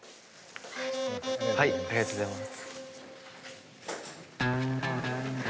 ありがとうございます。